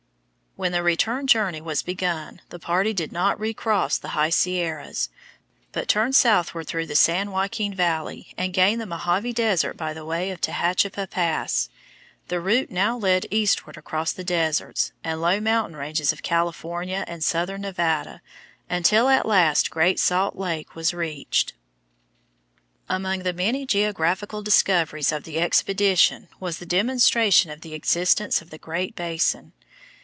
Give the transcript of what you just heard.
When the return journey was begun the party did not recross the high Sierras, but turned southward through the San Joaquin Valley and gained the Mohave Desert by the way of Tehachapai pass. The route now led eastward across the deserts and low mountain ranges of California and southern Nevada, until at last Great Salt Lake was reached. [Illustration: FIG. 51. SAGE BRUSH IN THE GREAT BASIN] Among the many geographical discoveries of the expedition was the demonstration of the existence of the Great Basin.